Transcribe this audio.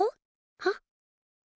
はっ？